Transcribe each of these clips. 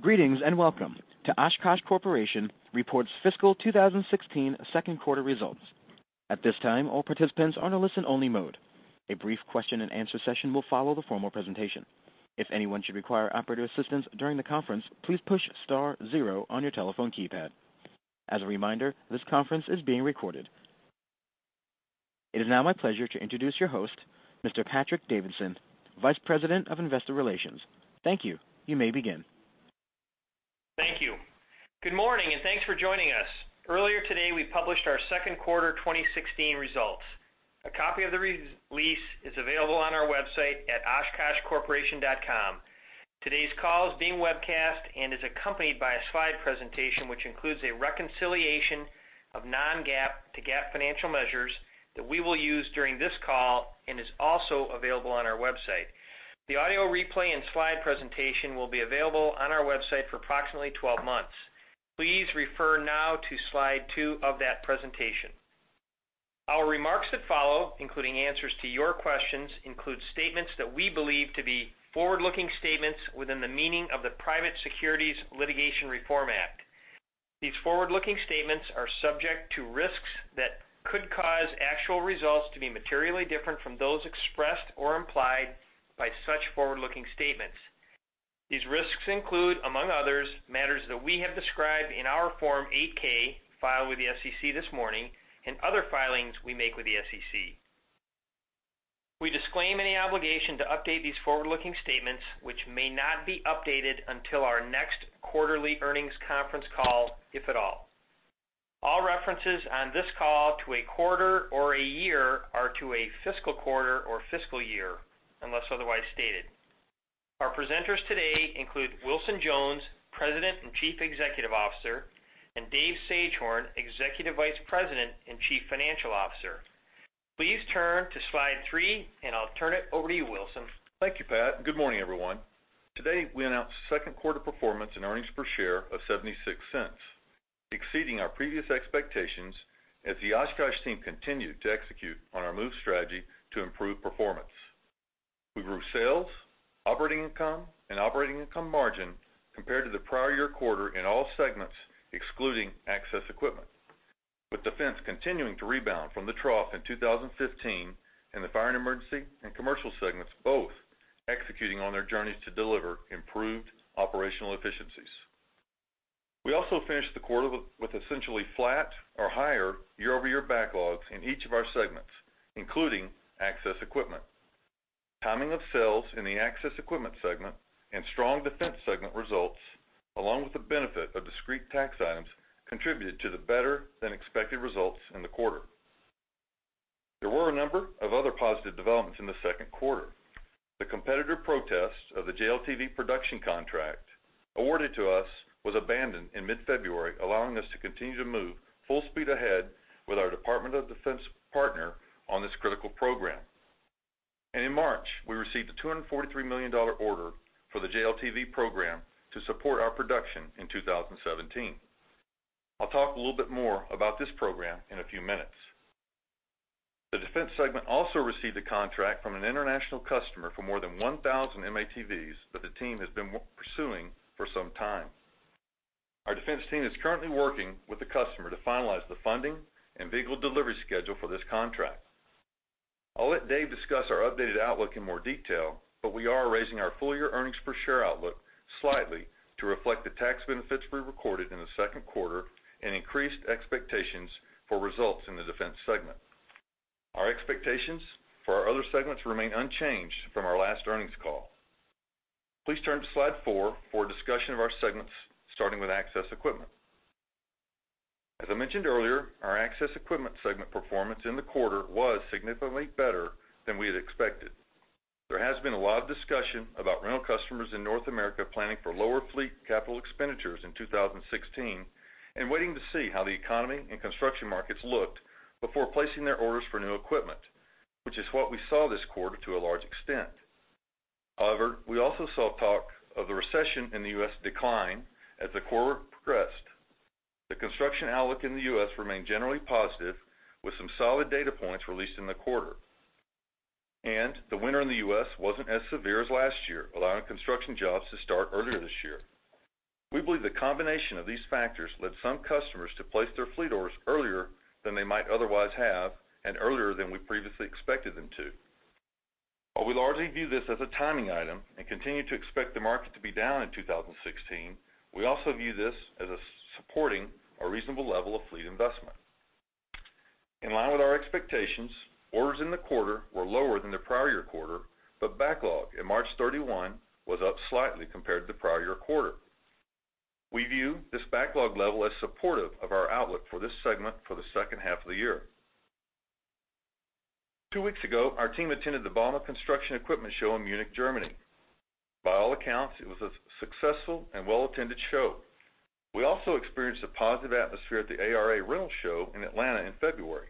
Greetings and welcome to Oshkosh Corporation reports fiscal 2016 second quarter results. At this time, all participants are in a listen-only mode. A brief question-and-answer session will follow the formal presentation. If anyone should require operator assistance during the conference, please push star zero on your telephone keypad. As a reminder, this conference is being recorded. It is now my pleasure to introduce your host, Mr. Patrick Davidson, Vice President of Investor Relations. Thank you. You may begin. Thank you. Good morning and thanks for joining us. Earlier today, we published our second quarter 2016 results. A copy of the release is available on our website at oshkoshcorp.com. Today's call is being webcast and is accompanied by a slide presentation which includes a reconciliation of non-GAAP to GAAP financial measures that we will use during this call and is also available on our website. The audio replay and slide presentation will be available on our website for approximately 12 months. Please refer now to slide two of that presentation. Our remarks that follow, including answers to your questions, include statements that we believe to be forward-looking statements within the meaning of the Private Securities Litigation Reform Act. These forward-looking statements are subject to risks that could cause actual results to be materially different from those expressed or implied by such forward-looking statements. These risks include, among others, matters that we have described in our Form 8-K filed with the SEC this morning and other filings we make with the SEC. We disclaim any obligation to update these forward-looking statements, which may not be updated until our next quarterly earnings conference call, if at all. All references on this call to a quarter or a year are to a fiscal quarter or fiscal year, unless otherwise stated. Our presenters today include Wilson Jones, President and Chief Executive Officer, and Dave Sagehorn, Executive Vice President and Chief Financial Officer. Please turn to slide three, and I'll turn it over to you, Wilson. Thank you, Pat. Good morning, everyone. Today, we announced second quarter performance and earnings per share of $0.76, exceeding our previous expectations as the Oshkosh team continued to execute on our MOVE strategy to improve performance. We grew sales, operating income, and operating income margin compared to the prior year quarter in all segments, excluding access equipment, with defense continuing to rebound from the trough in 2015 and the fire and emergency and commercial segments both executing on their journeys to deliver improved operational efficiencies. We also finished the quarter with essentially flat or higher year-over-year backlogs in each of our segments, including access equipment. Timing of sales in the access equipment segment and strong defense segment results, along with the benefit of discrete tax items, contributed to the better-than-expected results in the quarter. There were a number of other positive developments in the second quarter. The competitor protest of the JLTV production contract awarded to us was abandoned in mid-February, allowing us to continue to move full speed ahead with our Department of Defense partner on this critical program. In March, we received a $243 million order for the JLTV program to support our production in 2017. I'll talk a little bit more about this program in a few minutes. The defense segment also received a contract from an international customer for more than 1,000 M-ATVs that the team has been pursuing for some time. Our defense team is currently working with the customer to finalize the funding and vehicle delivery schedule for this contract. I'll let Dave discuss our updated outlook in more detail, but we are raising our full-year earnings per share outlook slightly to reflect the tax benefits we recorded in the second quarter and increased expectations for results in the defense segment. Our expectations for our other segments remain unchanged from our last earnings call. Please turn to slide four for a discussion of our segments, starting with access equipment. As I mentioned earlier, our access equipment segment performance in the quarter was significantly better than we had expected. There has been a lot of discussion about rental customers in North America planning for lower fleet capital expenditures in 2016 and waiting to see how the economy and construction markets looked before placing their orders for new equipment, which is what we saw this quarter to a large extent. However, we also saw talk of the recession in the U.S. decline as the quarter progressed. The construction outlook in the U.S. remained generally positive, with some solid data points released in the quarter. The winter in the U.S. wasn't as severe as last year, allowing construction jobs to start earlier this year. We believe the combination of these factors led some customers to place their fleet orders earlier than they might otherwise have and earlier than we previously expected them to. While we largely view this as a timing item and continue to expect the market to be down in 2016, we also view this as supporting a reasonable level of fleet investment. In line with our expectations, orders in the quarter were lower than the prior year quarter, but backlog in March 31 was up slightly compared to the prior year quarter. We view this backlog level as supportive of our outlook for this segment for the second half of the year. Two weeks ago, our team attended the Bauma Construction Equipment Show in Munich, Germany. By all accounts, it was a successful and well-attended show. We also experienced a positive atmosphere at the ARA Rental Show in Atlanta in February.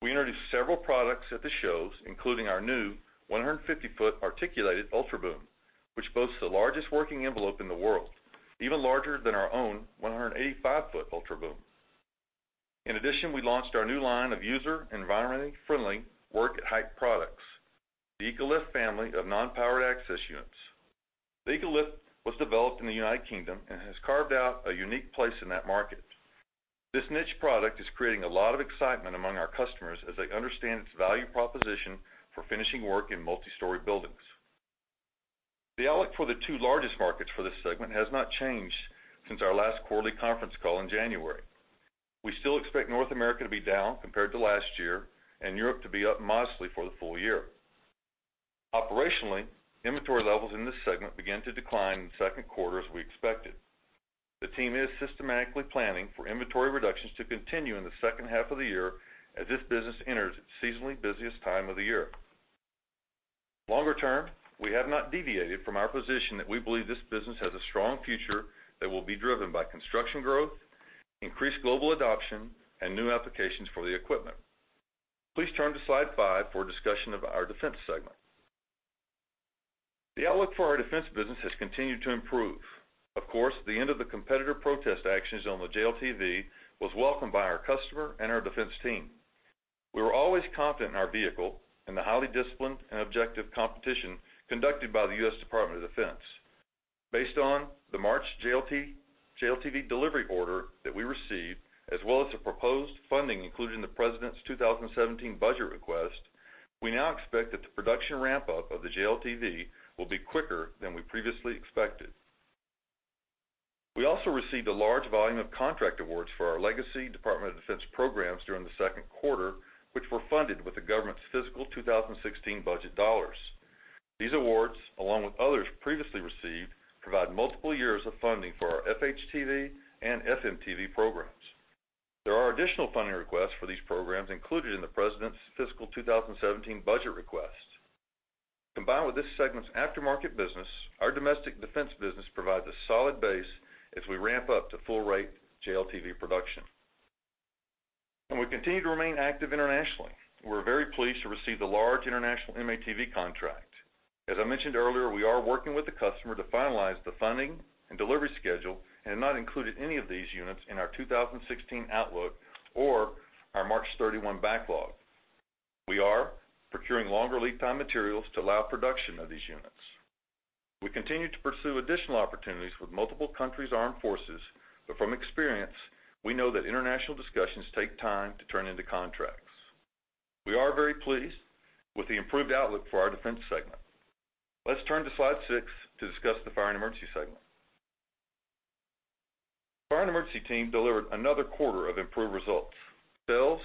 We introduced several products at the shows, including our new 150-foot articulated Ultra Boom, which boasts the largest working envelope in the world, even larger than our own 185-foot Ultra Boom. In addition, we launched our new line of user and environmentally friendly work-at-height products, the EcoLift family of non-powered access units. The EcoLift was developed in the United Kingdom and has carved out a unique place in that market. This niche product is creating a lot of excitement among our customers as they understand its value proposition for finishing work in multi-story buildings. The outlook for the two largest markets for this segment has not changed since our last quarterly conference call in January. We still expect North America to be down compared to last year and Europe to be up modestly for the full year. Operationally, inventory levels in this segment began to decline in the second quarter as we expected. The team is systematically planning for inventory reductions to continue in the second half of the year as this business enters its seasonally busiest time of the year. Longer term, we have not deviated from our position that we believe this business has a strong future that will be driven by construction growth, increased global adoption, and new applications for the equipment. Please turn to slide five for a discussion of our Defense segment. The outlook for our Defense business has continued to improve. Of course, the end of the competitor protest actions on the JLTV was welcomed by our customer and our Defense team. We were always confident in our vehicle and the highly disciplined and objective competition conducted by the U.S. Department of Defense. Based on the March JLTV delivery order that we received, as well as the proposed funding including the President's 2017 budget request, we now expect that the production ramp-up of the JLTV will be quicker than we previously expected. We also received a large volume of contract awards for our legacy Department of Defense programs during the second quarter, which were funded with the government's fiscal 2016 budget dollars. These awards, along with others previously received, provide multiple years of funding for our FHTV and FMTV programs. There are additional funding requests for these programs included in the President's fiscal 2017 budget request. Combined with this segment's aftermarket business, our domestic defense business provides a solid base as we ramp up to full-rate JLTV production. We continue to remain active internationally. We're very pleased to receive the large international M-ATV contract. As I mentioned earlier, we are working with the customer to finalize the funding and delivery schedule and have not included any of these units in our 2016 outlook or our March 31 backlog. We are procuring longer lead-time materials to allow production of these units. We continue to pursue additional opportunities with multiple countries' armed forces, but from experience, we know that international discussions take time to turn into contracts. We are very pleased with the improved outlook for our defense segment. Let's turn to slide six to discuss the fire and emergency segment. The fire and emergency team delivered another quarter of improved results. Sales,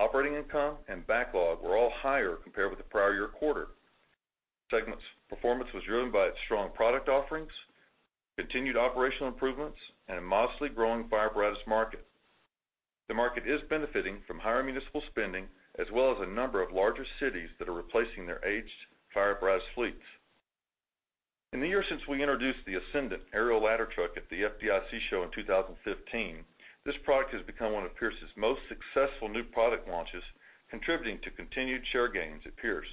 operating income, and backlog were all higher compared with the prior year quarter. The segment's performance was driven by its strong product offerings, continued operational improvements, and a modestly growing fire apparatus market. The market is benefiting from higher municipal spending, as well as a number of larger cities that are replacing their aged fire apparatus fleets. In the year since we introduced the Ascendant aerial ladder truck at the FDIC show in 2015, this product has become one of Pierce's most successful new product launches, contributing to continued share gains at Pierce.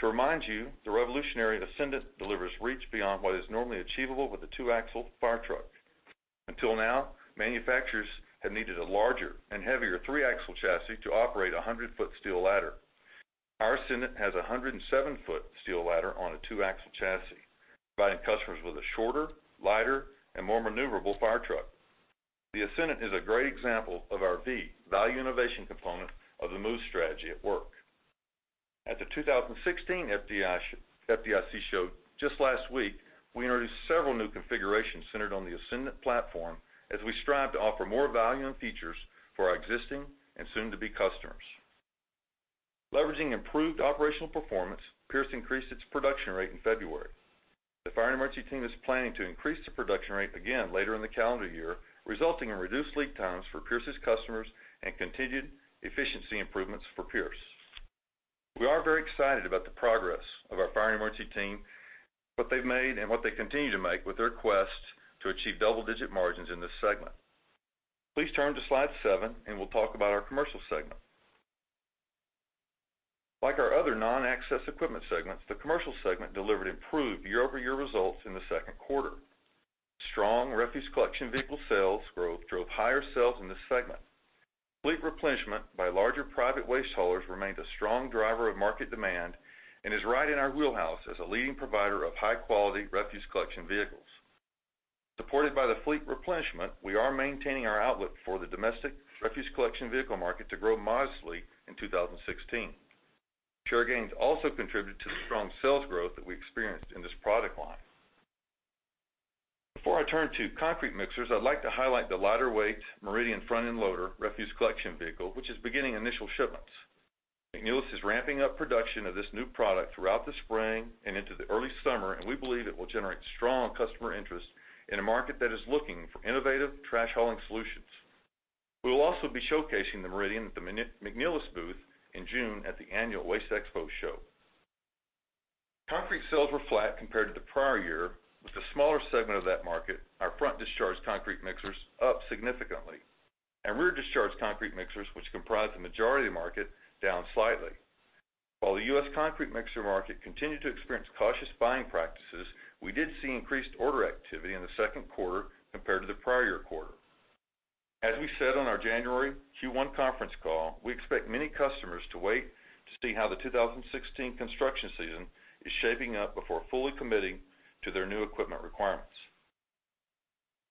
To remind you, the revolutionary Ascendant delivers reach beyond what is normally achievable with a two-axle fire truck. Until now, manufacturers have needed a larger and heavier 3-axle chassis to operate a 100-foot steel ladder. Our Ascendant has a 107-foot steel ladder on a 2-axle chassis, providing customers with a shorter, lighter, and more maneuverable fire truck. The Ascendant is a great example of our V, value innovation component, of the MOVE strategy at work. At the 2016 FDIC show just last week, we introduced several new configurations centered on the Ascendant platform as we strive to offer more value and features for our existing and soon-to-be customers. Leveraging improved operational performance, Pierce increased its production rate in February. The fire and emergency team is planning to increase the production rate again later in the calendar year, resulting in reduced lead times for Pierce's customers and continued efficiency improvements for Pierce. We are very excited about the progress of our fire and emergency team, what they've made, and what they continue to make with their quest to achieve double-digit margins in this segment. Please turn to slide seven, and we'll talk about our commercial segment. Like our other non-access equipment segments, the commercial segment delivered improved year-over-year results in the second quarter. Strong refuse collection vehicle sales growth drove higher sales in this segment. Fleet replenishment by larger private waste haulers remained a strong driver of market demand and is right in our wheelhouse as a leading provider of high-quality refuse collection vehicles. Supported by the fleet replenishment, we are maintaining our outlook for the domestic refuse collection vehicle market to grow modestly in 2016. Share gains also contributed to the strong sales growth that we experienced in this product line. Before I turn to concrete mixers, I'd like to highlight the lighter-weight Meridian front-end loader refuse collection vehicle, which is beginning initial shipments. McNeilus is ramping up production of this new product throughout the spring and into the early summer, and we believe it will generate strong customer interest in a market that is looking for innovative trash hauling solutions. We will also be showcasing the Meridian at the McNeilus booth in June at the annual WasteExpo show. Concrete sales were flat compared to the prior year, with the smaller segment of that market, our front-discharge concrete mixers, up significantly, and rear-discharge concrete mixers, which comprise the majority of the market, down slightly. While the U.S. concrete mixer market continued to experience cautious buying practices, we did see increased order activity in the second quarter compared to the prior year quarter. As we said on our January Q1 conference call, we expect many customers to wait to see how the 2016 construction season is shaping up before fully committing to their new equipment requirements.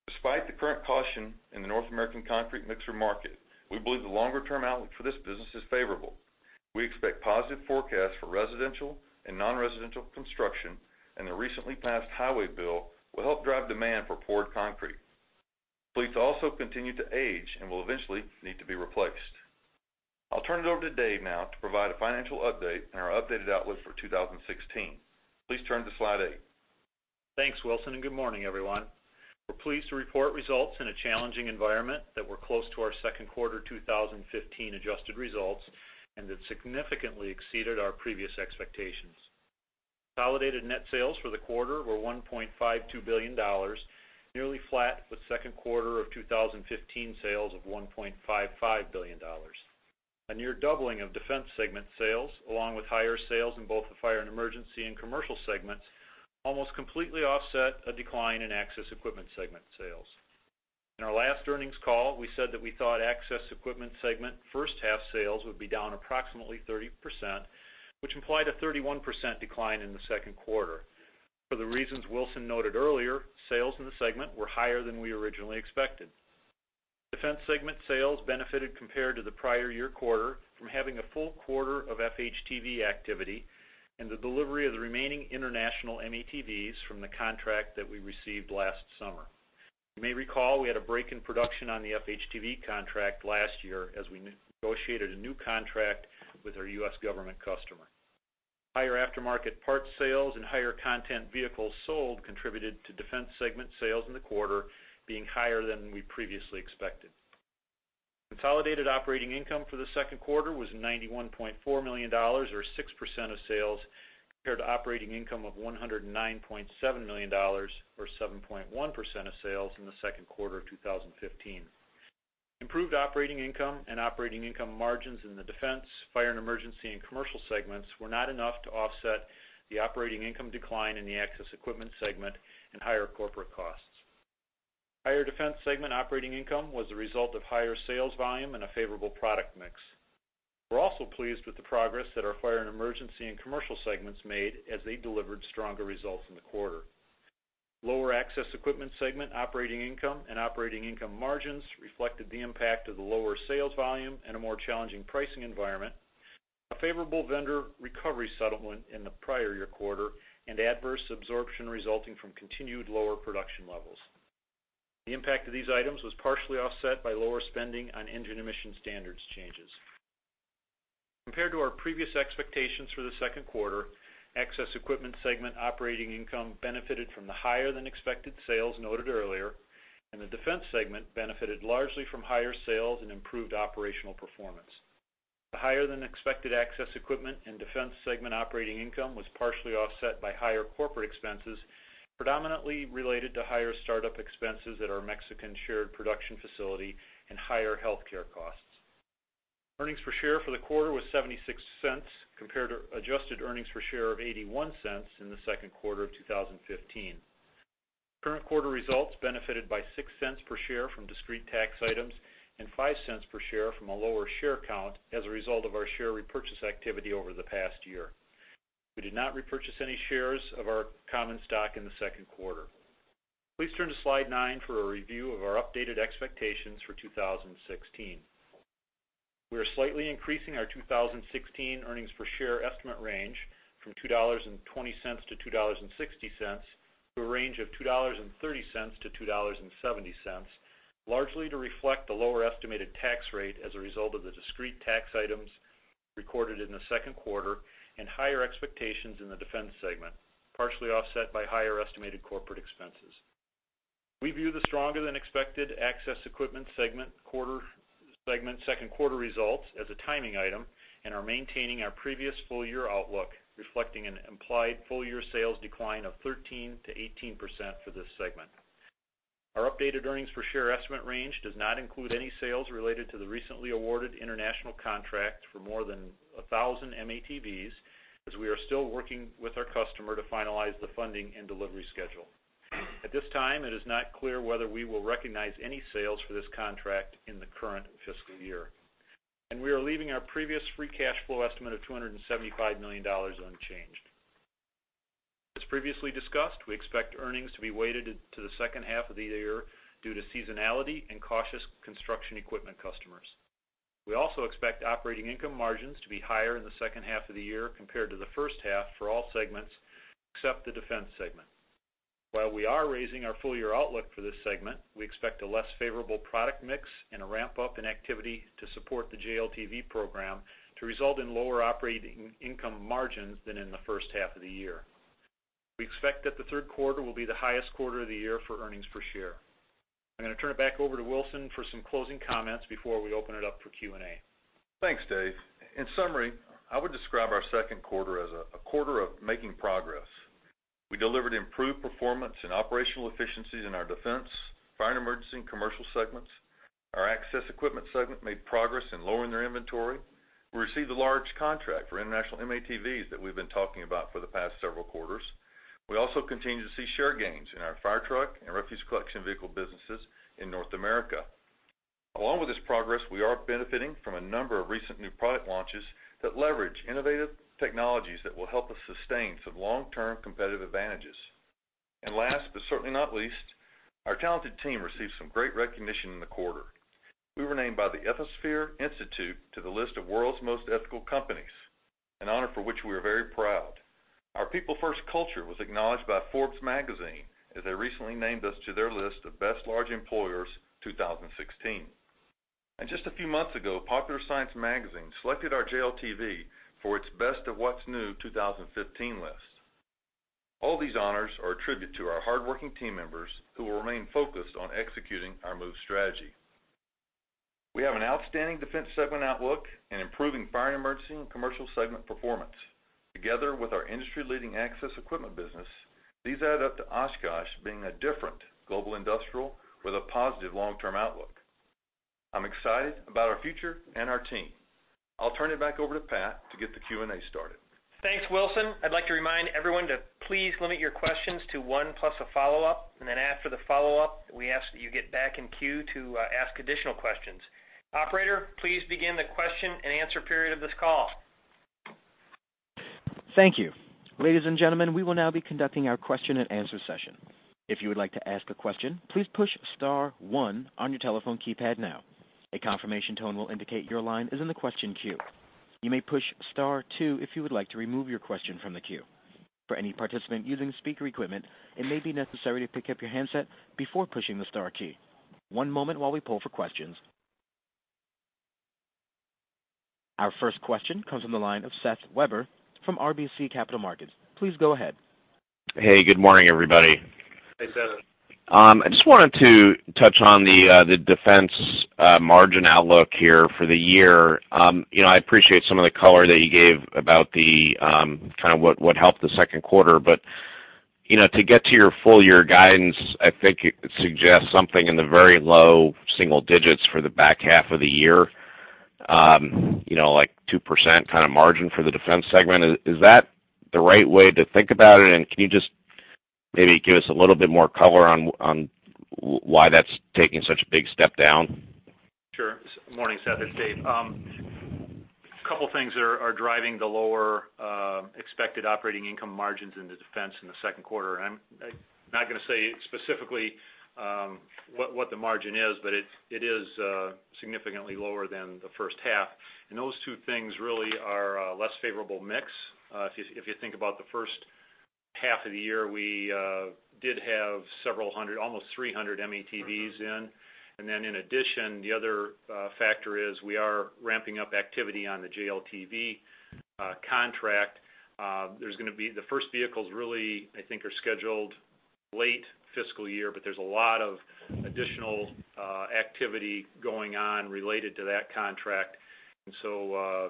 Despite the current caution in the North American concrete mixer market, we believe the longer-term outlook for this business is favorable. We expect positive forecasts for residential and non-residential construction, and the recently passed highway bill will help drive demand for poured concrete. Fleets also continue to age and will eventually need to be replaced. I'll turn it over to Dave now to provide a financial update and our updated outlook for 2016. Please turn to slide eight. Thanks, Wilson, and good morning, everyone. We're pleased to report results in a challenging environment that we're close to our second quarter 2015 adjusted results, and that significantly exceeded our previous expectations. Validated net sales for the quarter were $1.52 billion, nearly flat with second quarter of 2015 sales of $1.55 billion. A near doubling of defense segment sales, along with higher sales in both the fire and emergency and commercial segments, almost completely offset a decline in access equipment segment sales. In our last earnings call, we said that we thought access equipment segment first half sales would be down approximately 30%, which implied a 31% decline in the second quarter. For the reasons Wilson noted earlier, sales in the segment were higher than we originally expected. Defense segment sales benefited compared to the prior year quarter from having a full quarter of FHTV activity and the delivery of the remaining international M-ATVs from the contract that we received last summer. You may recall we had a break in production on the FHTV contract last year as we negotiated a new contract with our U.S. government customer. Higher aftermarket parts sales and higher content vehicles sold contributed to defense segment sales in the quarter being higher than we previously expected. Consolidated operating income for the second quarter was $91.4 million, or 6% of sales, compared to operating income of $109.7 million, or 7.1% of sales in the second quarter of 2015. Improved operating income and operating income margins in the defense, fire and emergency, and commercial segments were not enough to offset the operating income decline in the access equipment segment and higher corporate costs. Higher defense segment operating income was the result of higher sales volume and a favorable product mix. We're also pleased with the progress that our fire and emergency and commercial segments made as they delivered stronger results in the quarter. Lower access equipment segment operating income and operating income margins reflected the impact of the lower sales volume and a more challenging pricing environment, a favorable vendor recovery settlement in the prior year quarter, and adverse absorption resulting from continued lower production levels. The impact of these items was partially offset by lower spending on engine emission standards changes. Compared to our previous expectations for the second quarter, access equipment segment operating income benefited from the higher-than-expected sales noted earlier, and the defense segment benefited largely from higher sales and improved operational performance. The higher-than-expected access equipment and defense segment operating income was partially offset by higher corporate expenses, predominantly related to higher startup expenses at our Mexican shared production facility and higher healthcare costs. Earnings per share for the quarter was $0.76 compared to adjusted earnings per share of $0.81 in the second quarter of 2015. Current quarter results benefited by $0.06 per share from discrete tax items and $0.05 per share from a lower share count as a result of our share repurchase activity over the past year. We did not repurchase any shares of our common stock in the second quarter. Please turn to slide nine for a review of our updated expectations for 2016. We are slightly increasing our 2016 earnings per share estimate range from $2.20-$2.60 to a range of $2.30-$2.70, largely to reflect the lower estimated tax rate as a result of the discrete tax items recorded in the second quarter and higher expectations in the defense segment, partially offset by higher estimated corporate expenses. We view the stronger-than-expected access equipment segment quarter second quarter results as a timing item and are maintaining our previous full-year outlook, reflecting an implied full-year sales decline of 13%-18% for this segment. Our updated earnings per share estimate range does not include any sales related to the recently awarded international contract for more than 1,000 M-ATVs, as we are still working with our customer to finalize the funding and delivery schedule. At this time, it is not clear whether we will recognize any sales for this contract in the current fiscal year, and we are leaving our previous free cash flow estimate of $275 million unchanged. As previously discussed, we expect earnings to be weighted to the second half of the year due to seasonality and cautious construction equipment customers. We also expect operating income margins to be higher in the second half of the year compared to the first half for all segments except the defense segment. While we are raising our full-year outlook for this segment, we expect a less favorable product mix and a ramp-up in activity to support the JLTV program to result in lower operating income margins than in the first half of the year. We expect that the third quarter will be the highest quarter of the year for earnings per share. I'm going to turn it back over to Wilson for some closing comments before we open it up for Q&A. Thanks, Dave. In summary, I would describe our second quarter as a quarter of making progress. We delivered improved performance and operational efficiencies in our defense, fire and emergency, and commercial segments. Our access equipment segment made progress in lowering their inventory. We received a large contract for international M-ATVs that we've been talking about for the past several quarters. We also continue to see share gains in our fire truck and refuse collection vehicle businesses in North America. Along with this progress, we are benefiting from a number of recent new product launches that leverage innovative technologies that will help us sustain some long-term competitive advantages. Last, but certainly not least, our talented team received some great recognition in the quarter. We were named by the Ethisphere Institute to the list of World's Most Ethical Companies, an honor for which we are very proud. Our people-first culture was acknowledged by Forbes magazine as they recently named us to their list of Best Large Employers 2016. Just a few months ago, Popular Science magazine selected our JLTV for its Best of What's New 2015 list. All these honors are a tribute to our hardworking team members who will remain focused on executing our MOVE strategy. We have an outstanding defense segment outlook and improving fire and emergency and commercial segment performance. Together with our industry-leading access equipment business, these add up to Oshkosh being a different global industrial with a positive long-term outlook. I'm excited about our future and our team. I'll turn it back over to Pat to get the Q&A started. Thanks, Wilson. I'd like to remind everyone to please limit your questions to one plus a follow-up, and then after the follow-up, we ask that you get back in queue to ask additional questions. Operator, please begin the question and answer period of this call. Thank you. Ladies and gentlemen, we will now be conducting our question and answer session. If you would like to ask a question, please push star one on your telephone keypad now. A confirmation tone will indicate your line is in the question queue. You may push star two if you would like to remove your question from the queue. For any participant using speaker equipment, it may be necessary to pick up your handset before pushing the star key. One moment while we pull for questions. Our first question comes from the line of Seth Weber from RBC Capital Markets. Please go ahead. Hey, good morning, everybody. Hey, Seth. I just wanted to touch on the defense margin outlook here for the year. I appreciate some of the color that you gave about kind of what helped the second quarter, but to get to your full-year guidance, I think it suggests something in the very low single digits for the back half of the year, like 2% kind of margin for the defense segment. Is that the right way to think about it? And can you just maybe give us a little bit more color on why that's taking such a big step down? Sure. Morning, Seth. It's Dave. A couple of things are driving the lower expected operating income margins in the defense in the second quarter. I'm not going to say specifically what the margin is, but it is significantly lower than the first half. And those two things really are a less favorable mix. If you think about the first half of the year, we did have several hundred, almost 300 M-ATVs in. And then in addition, the other factor is we are ramping up activity on the JLTV contract. There's going to be the first vehicles really, I think, are scheduled late fiscal year, but there's a lot of additional activity going on related to that contract. And so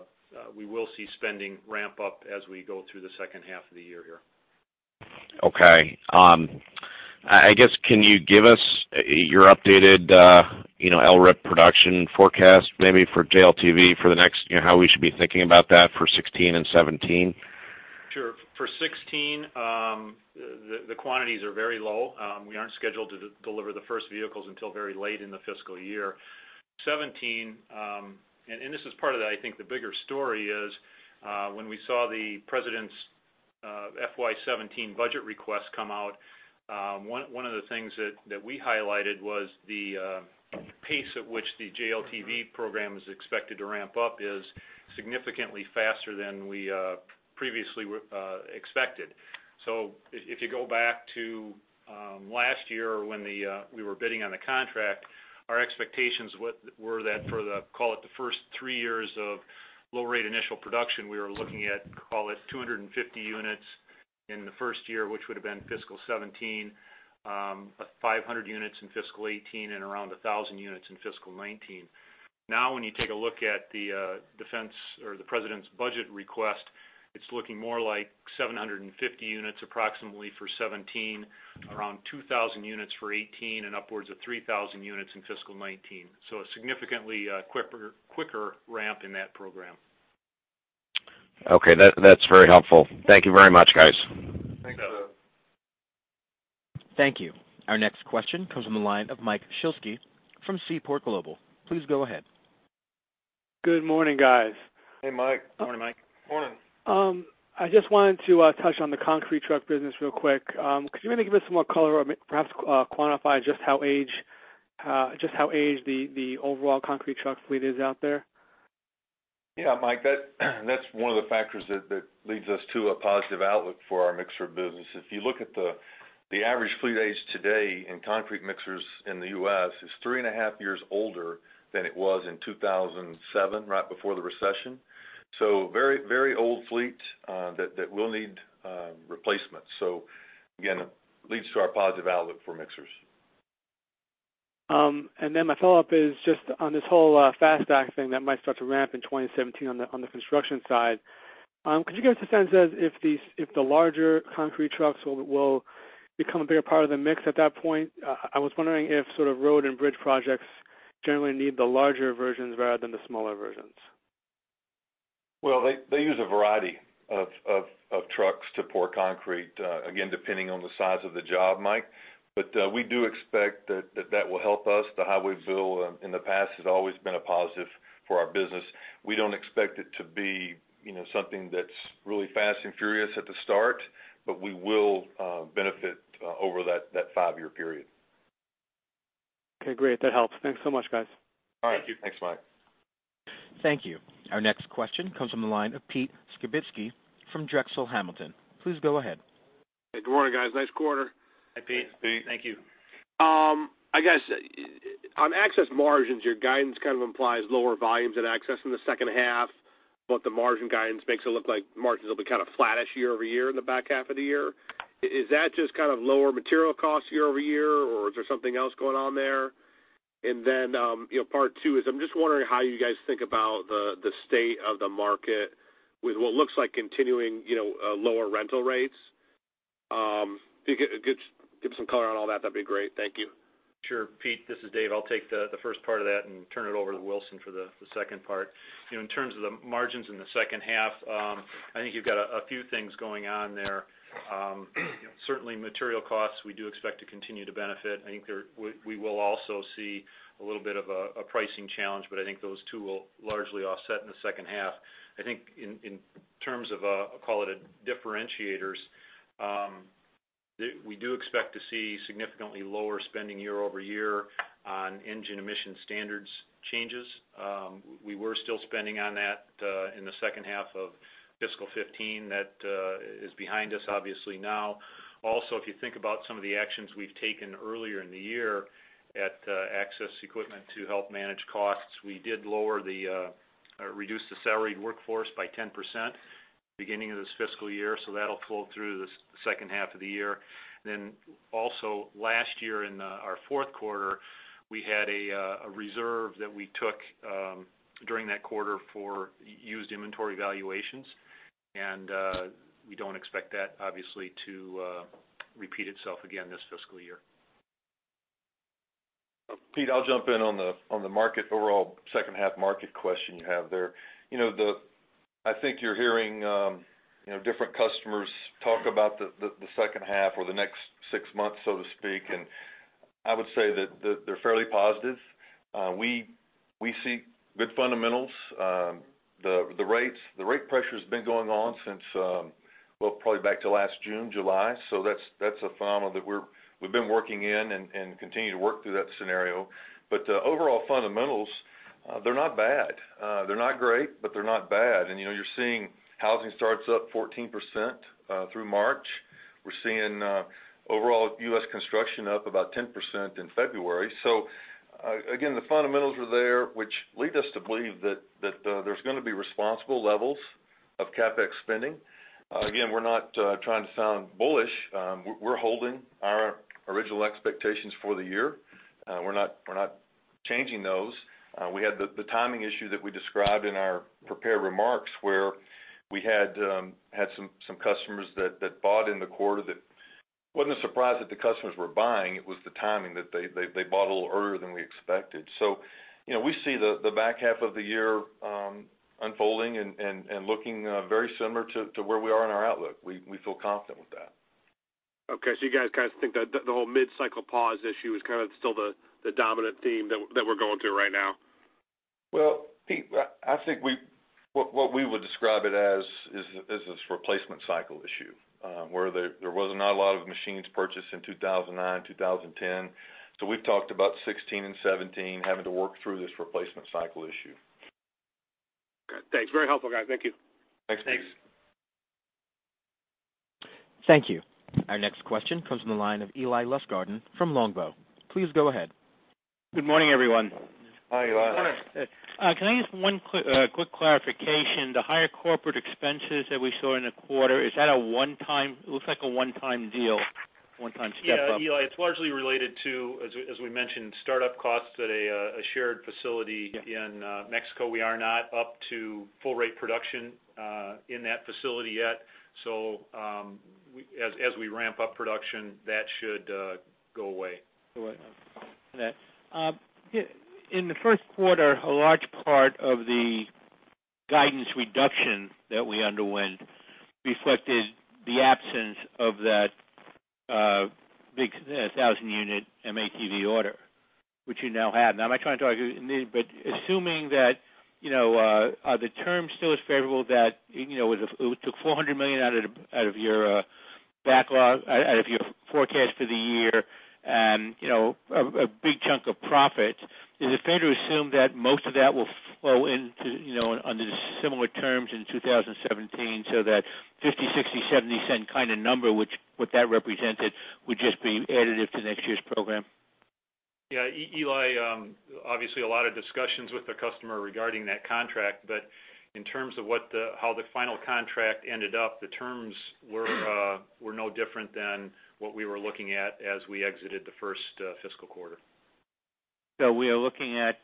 we will see spending ramp up as we go through the second half of the year here. Okay. I guess, can you give us your updated LRIP production forecast maybe for JLTV for the next how we should be thinking about that for 2016 and 2017? Sure. For 2016, the quantities are very low. We aren't scheduled to deliver the first vehicles until very late in the fiscal year. 2017, and this is part of, I think, the bigger story is when we saw the president's FY 2017 budget request come out, one of the things that we highlighted was the pace at which the JLTV program is expected to ramp up is significantly faster than we previously expected. So if you go back to last year when we were bidding on the contract, our expectations were that for the, call it, the first three years of low-rate initial production, we were looking at, call it, 250 units in the first year, which would have been fiscal 2017, 500 units in fiscal 2018, and around 1,000 units in fiscal 2019. Now, when you take a look at the defense or the president's budget request, it's looking more like 750 units approximately for 2017, around 2,000 units for 2018, and upwards of 3,000 units in fiscal 2019. So a significantly quicker ramp in that program. Okay. That's very helpful. Thank you very much, guys. Thanks, Seth. Thank you. Our next question comes from the line of Mike Shlisky from Seaport Global. Please go ahead. Good morning, guys. Hey, Mike. Morning, Mike. Morning. I just wanted to touch on the concrete truck business real quick. Could you maybe give us some more color or perhaps quantify just how aged the overall concrete truck fleet is out there? Yeah, Mike. That's one of the factors that leads us to a positive outlook for our mixer business. If you look at the average fleet age today in concrete mixers in the U.S., it's three and a half years older than it was in 2007, right before the recession. So very old fleet that will need replacements. So again, it leads to our positive outlook for mixers. And then my follow-up is just on this whole FAST Act thing that might start to ramp in 2017 on the construction side. Could you give us a sense as if the larger concrete trucks will become a bigger part of the mix at that point? I was wondering if sort of road and bridge projects generally need the larger versions rather than the smaller versions. Well, they use a variety of trucks to pour concrete, again, depending on the size of the job, Mike. But we do expect that that will help us. The highway bill in the past has always been a positive for our business. We don't expect it to be something that's really fast and furious at the start, but we will benefit over that five-year period. Okay. Great. That helps. Thanks so much, guys. All right. Thank you. Thanks, Mike. Thank you. Our next question comes from the line of Pete Skibitski from Drexel Hamilton. Please go ahead. Hey, good morning, guys. Nice quarter. Hi, Pete. Thanks, Pete. Thank you. I guess on access margins, your guidance kind of implies lower volumes at access in the second half, but the margin guidance makes it look like margins will be kind of flattish year-over-year in the back half of the year. Is that just kind of lower material costs year-over-year, or is there something else going on there? And then part two is I'm just wondering how you guys think about the state of the market with what looks like continuing lower rental rates. If you could give some color on all that, that'd be great. Thank you. Sure. Pete, this is Dave. I'll take the first part of that and turn it over to Wilson for the second part. In terms of the margins in the second half, I think you've got a few things going on there. Certainly, material costs, we do expect to continue to benefit. I think we will also see a little bit of a pricing challenge, but I think those two will largely offset in the second half. I think in terms of, call it, differentiators, we do expect to see significantly lower spending year over year on engine emission standards changes. We were still spending on that in the second half of fiscal 2015. That is behind us, obviously, now. Also, if you think about some of the actions we've taken earlier in the year at Access Equipment to help manage costs, we did reduce the salaried workforce by 10% beginning of this fiscal year, so that'll flow through the second half of the year. Then also, last year in our fourth quarter, we had a reserve that we took during that quarter for used inventory valuations, and we don't expect that, obviously, to repeat itself again this fiscal year. Pete, I'll jump in on the overall second half market question you have there. I think you're hearing different customers talk about the second half or the next six months, so to speak, and I would say that they're fairly positive. We see good fundamentals. The rate pressure has been going on since, well, probably back to last June, July. So that's a phenomenon that we've been working in and continue to work through that scenario. But overall fundamentals, they're not bad. They're not great, but they're not bad. And you're seeing housing starts up 14% through March. We're seeing overall U.S. construction up about 10% in February. So again, the fundamentals are there, which lead us to believe that there's going to be responsible levels of CapEx spending. Again, we're not trying to sound bullish. We're holding our original expectations for the year. We're not changing those. We had the timing issue that we described in our prepared remarks where we had some customers that bought in the quarter. It wasn't a surprise that the customers were buying. It was the timing that they bought a little earlier than we expected. So we see the back half of the year unfolding and looking very similar to where we are in our outlook. We feel confident with that. Okay. So you guys kind of think that the whole mid-cycle pause issue is kind of still the dominant theme that we're going through right now? Well, Pete, I think what we would describe it as is this replacement cycle issue where there was not a lot of machines purchased in 2009, 2010. So we've talked about 2016 and 2017 having to work through this replacement cycle issue. Thanks. Very helpful, guys. Thank you. Thanks, Pete. Thanks. Thank you. Our next question comes from the line of Eli Lustgarten from Longbow. Please go ahead. Good morning, everyone. Hi, Eli. Good morning. Can I ask one quick clarification? The higher corporate expenses that we saw in the quarter, is that a one-time? It looks like a one-time deal, one-time step-up. Yeah, Eli. It's largely related to, as we mentioned, startup costs at a shared facility in Mexico. We are not up to full-rate production in that facility yet. So as we ramp up production, that should go away. Go away. In the first quarter, a large part of the guidance reduction that we underwent reflected the absence of that big 1,000-unit M-ATV order, which you now have. Now, I'm not trying to talk to you, but assuming that the term still is favorable that it took $400 million out of your forecast for the year and a big chunk of profit, is it fair to assume that most of that will flow into under similar terms in 2017 so that $0.50, $0.60, $0.70 kind of number, which what that represented, would just be additive to next year's program? Yeah. Eli, obviously, a lot of discussions with the customer regarding that contract. But in terms of how the final contract ended up, the terms were no different than what we were looking at as we exited the first fiscal quarter. So we are looking at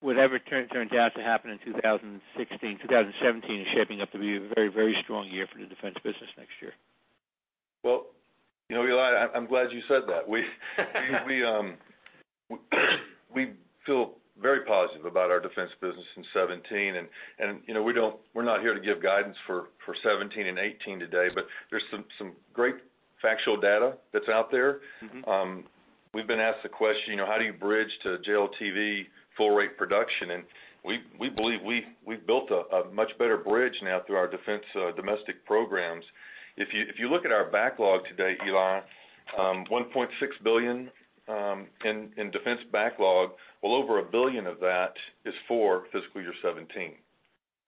whatever turns out to happen in 2016, 2017 is shaping up to be a very, very strong year for the defense business next year. Well, Eli, I'm glad you said that. We feel very positive about our defense business in 2017. And we're not here to give guidance for 2017 and 2018 today, but there's some great factual data that's out there. We've been asked the question, how do you bridge to JLTV full-rate production? And we believe we've built a much better bridge now through our defense domestic programs. If you look at our backlog today, Eli, $1.6 billion in defense backlog, well, over $1 billion of that is for fiscal year 2017.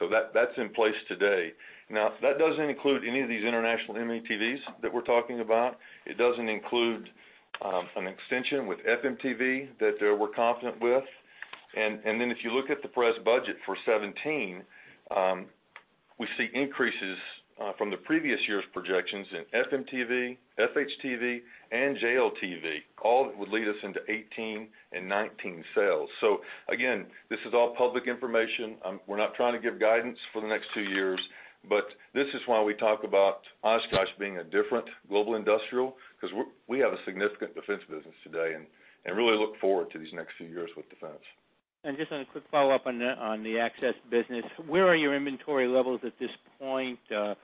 So that's in place today. Now, that doesn't include any of these international M-ATVs that we're talking about. It doesn't include an extension with FMTV that we're confident with. And then if you look at the President's budget for 2017, we see increases from the previous year's projections in FMTV, FHTV, and JLTV, all that would lead us into 2018 and 2019 sales. So again, this is all public information. We're not trying to give guidance for the next two years, but this is why we talk about Oshkosh being a different global industrial because we have a significant defense business today and really look forward to these next few years with defense. And just a quick follow-up on the access business. Where are your inventory levels at this point? Can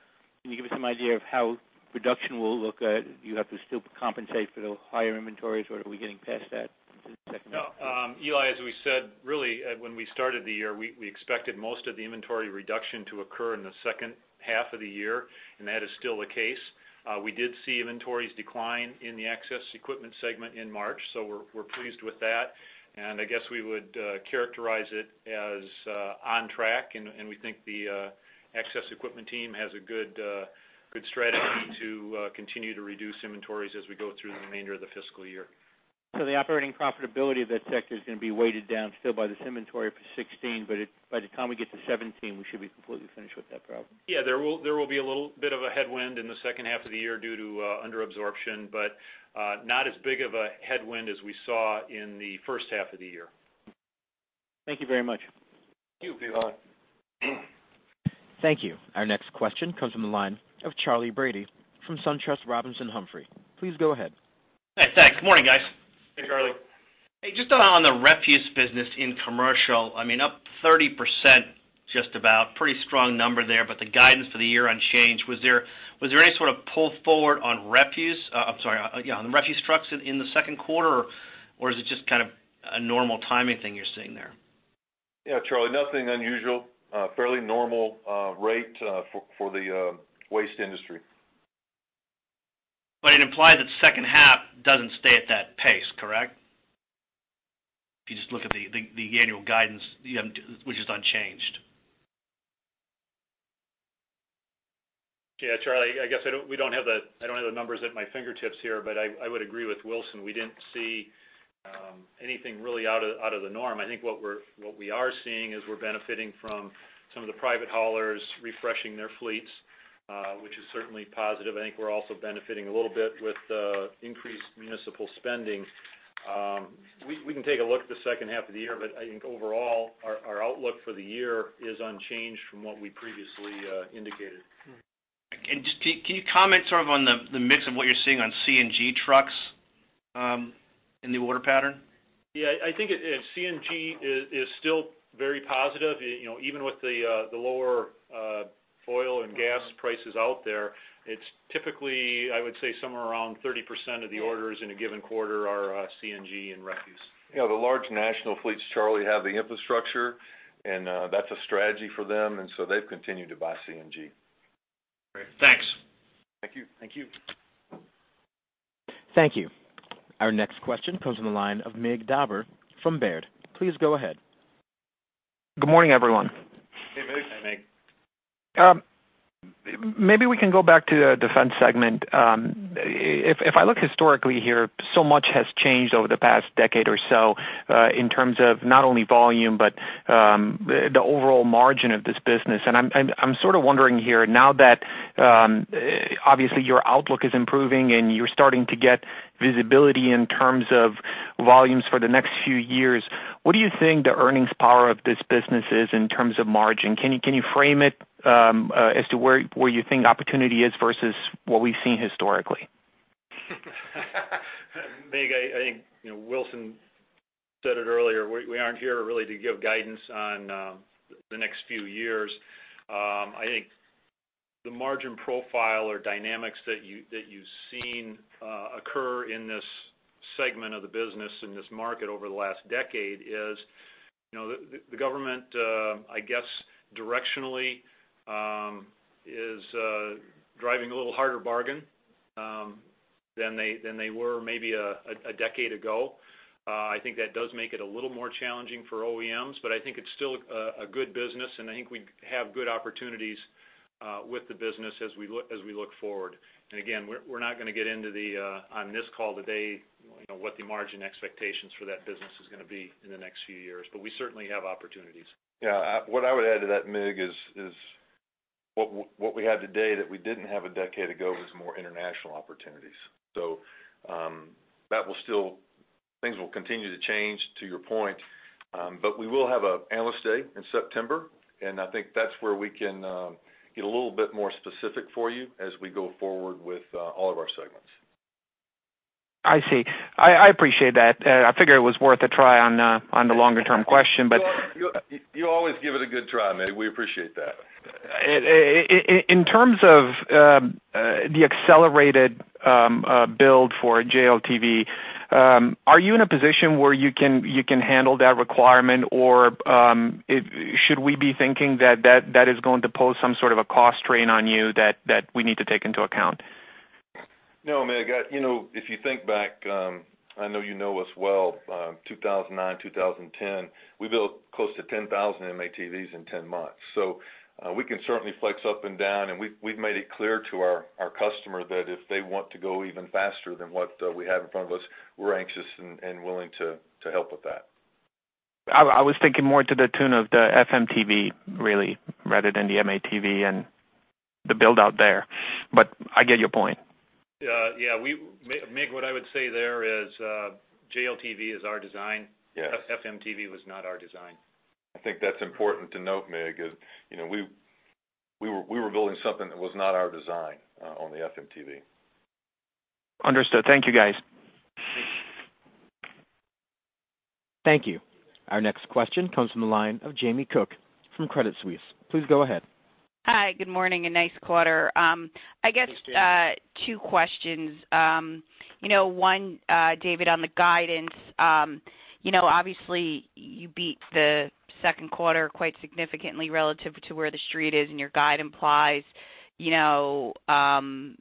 you give us some idea of how production will look? Do you have to still compensate for the higher inventories, or are we getting past that in the second half? Eli, as we said, really, when we started the year, we expected most of the inventory reduction to occur in the second half of the year, and that is still the case. We did see inventories decline in the access equipment segment in March, so we're pleased with that. I guess we would characterize it as on track, and we think the access equipment team has a good strategy to continue to reduce inventories as we go through the remainder of the fiscal year. So the operating profitability of that sector is going to be weighted down still by this inventory for 2016, but by the time we get to 2017, we should be completely finished with that problem. Yeah. There will be a little bit of a headwind in the second half of the year due to underabsorption, but not as big of a headwind as we saw in the first half of the year. Thank you very much. Thank you, Eli. Thank you. Our next question comes from the line of Charley Brady from SunTrust Robinson Humphrey. Please go ahead. Hi, thanks. Good morning, guys. Hey, Charley. Hey. Just on the refuse business in commercial, I mean, up 30% just about, pretty strong number there, but the guidance for the year unchanged. Was there any sort of pull forward on refuse, I'm sorry, yeah, on the refuse trucks in the second quarter, or is it just kind of a normal timing thing you're seeing there? Yeah, Charley. Nothing unusual. Fairly normal rate for the waste industry. But it implies that second half doesn't stay at that pace, correct? If you just look at the annual guidance, which is unchanged. Yeah, Charley. I guess we don't have the numbers at my fingertips here, but I would agree with Wilson. We didn't see anything really out of the norm. I think what we are seeing is we're benefiting from some of the private haulers refreshing their fleets, which is certainly positive. I think we're also benefiting a little bit with increased municipal spending. We can take a look at the second half of the year, but I think overall, our outlook for the year is unchanged from what we previously indicated. And just, can you comment sort of on the mix of what you're seeing on CNG trucks in the order pattern? Yeah. I think CNG is still very positive. Even with the lower oil and gas prices out there, it's typically, I would say, somewhere around 30% of the orders in a given quarter are CNG and refuse. Yeah. The large national fleets, Charley, have the infrastructure, and that's a strategy for them, and so they've continued to buy CNG. Great. Thanks. Thank you. Thank you. Thank you. Our next question comes from the line of Mig Dobre from Baird. Please go ahead. Good morning, everyone. Hey, Mig. Hi, Mig. Maybe we can go back to the defense segment. If I look historically here, so much has changed over the past decade or so in terms of not only volume but the overall margin of this business. And I'm sort of wondering here, now that obviously your outlook is improving and you're starting to get visibility in terms of volumes for the next few years, what do you think the earnings power of this business is in terms of margin? Can you frame it as to where you think opportunity is versus what we've seen historically? Mig, I think Wilson said it earlier. We aren't here really to give guidance on the next few years. I think the margin profile or dynamics that you've seen occur in this segment of the business in this market over the last decade is the government, I guess, directionally is driving a little harder bargain than they were maybe a decade ago. I think that does make it a little more challenging for OEMs, but I think it's still a good business, and I think we have good opportunities with the business as we look forward. Again, we're not going to get into on this call today what the margin expectations for that business is going to be in the next few years, but we certainly have opportunities. Yeah. What I would add to that, Mig, is what we had today that we didn't have a decade ago was more international opportunities. So things will continue to change, to your point, but we will have an analyst day in September, and I think that's where we can get a little bit more specific for you as we go forward with all of our segments. I see. I appreciate that. I figured it was worth a try on the longer-term question, but. You always give it a good try, Mig. We appreciate that. In terms of the accelerated build for JLTV, are you in a position where you can handle that requirement, or should we be thinking that that is going to pose some sort of a cost strain on you that we need to take into account? No, Mig. If you think back, I know you know us well, 2009, 2010, we built close to 10,000 M-ATVs in 10 months. So we can certainly flex up and down, and we've made it clear to our customer that if they want to go even faster than what we have in front of us, we're anxious and willing to help with that. I was thinking more to the tune of the FMTV, really, rather than the M-ATV and the build-out there. But I get your point. Yeah. Mircea, what I would say there is JLTV is our design. FMTV was not our design. I think that's important to note, Mig, is we were building something that was not our design on the FMTV. Understood. Thank you, guys. Thank you. Our next question comes from the line of Jamie Cook from Credit Suisse. Please go ahead. Hi. Good morning and nice quarter. I guess two questions. One, David, on the guidance. Obviously, you beat the second quarter quite significantly relative to where the street is, and your guide implies you didn't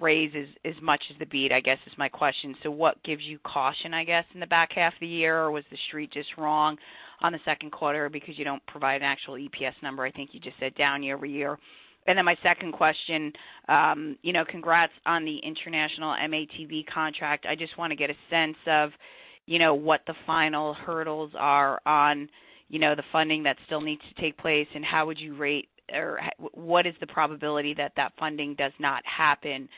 raise as much as the beat, I guess, is my question. So what gives you caution, I guess, in the back half of the year, or was the street just wrong on the second quarter because you don't provide an actual EPS number? I think you just said down year-over-year. And then my second question, congrats on the international M-ATV contract. I just want to get a sense of what the final hurdles are on the funding that still needs to take place, and how would you rate or what is the probability that that funding does not happen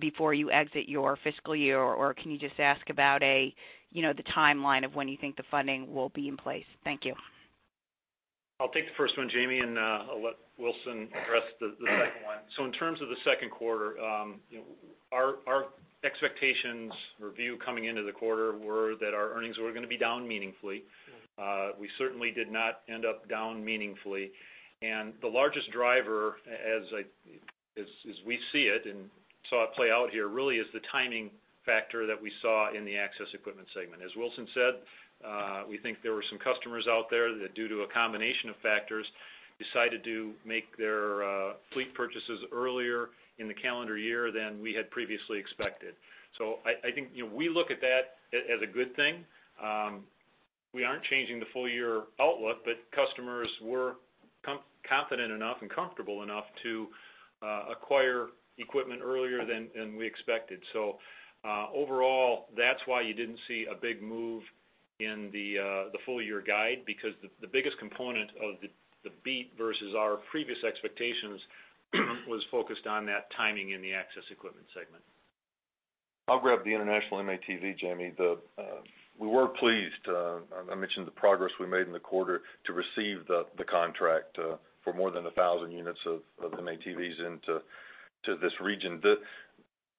before you exit your fiscal year? Or can you just ask about the timeline of when you think the funding will be in place? Thank you. I'll take the first one, Jamie, and I'll let Wilson address the second one. So in terms of the second quarter, our expectations review coming into the quarter were that our earnings were going to be down meaningfully. We certainly did not end up down meaningfully. And the largest driver, as we see it and saw it play out here, really is the timing factor that we saw in the access equipment segment. As Wilson said, we think there were some customers out there that, due to a combination of factors, decided to make their fleet purchases earlier in the calendar year than we had previously expected. So I think we look at that as a good thing. We aren't changing the full-year outlook, but customers were confident enough and comfortable enough to acquire equipment earlier than we expected. So overall, that's why you didn't see a big move in the full-year guide, because the biggest component of the beat versus our previous expectations was focused on that timing in the access equipment segment. I'll grab the international M-ATV, Jamie. We were pleased (I mentioned the progress we made in the quarter) to receive the contract for more than 1,000 units of M-ATVs into this region.